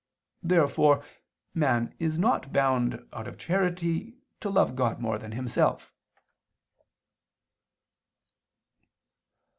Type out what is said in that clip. Therefore man is not bound, out of charity, to love God more than himself.